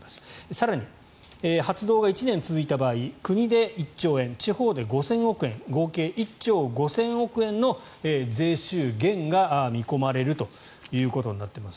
更に発動が１年続いた場合国で１兆円地方で５０００億円合計１兆５０００億円の税収減が見込まれるということになっています。